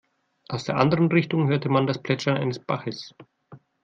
Aus der anderen Richtung hörte man das Plätschern eines Baches.